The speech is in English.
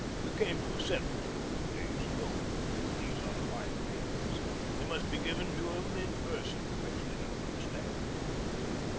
We came to a settlement a few days ago. These are the final papers. They must be given to him in person, Presley. You understand."